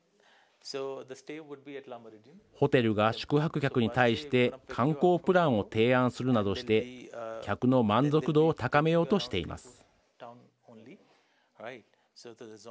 ホテルが宿泊客に対して観光プランを提案するなどして客の満足度を高めようとしています。